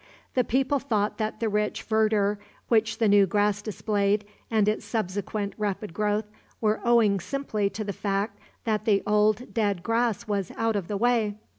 The people thought that the rich verdure which the new grass displayed, and its subsequent rapid growth, were owing simply to the fact that the old dead grass was out of the way.